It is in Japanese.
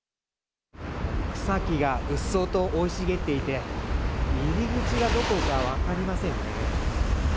草木がうっそうと生い茂っていて、入り口がどこか分かりませんね。